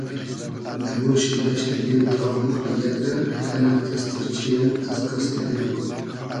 دۂ گۉشی دئشتی دیل تا بوخرۂ یئگ رۂ کئنۂ اېستیرچی او از قئستی دیل خو